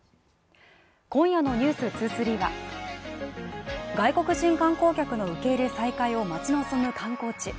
今夜の「ｎｅｗｓ２３」は外国人観光客の受け入れ再開を待ち望む観光地。